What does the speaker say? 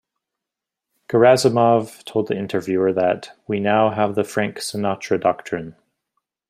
Gerasimov told the interviewer that, We now have the Frank Sinatra doctrine.